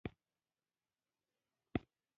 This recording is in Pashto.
د وچولې د پاکولو لپاره دستمال را سره نه و.